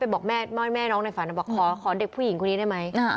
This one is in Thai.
บอกแม่แม่น้องในฝันบอกขอเด็กผู้หญิงคนนี้ได้ไหม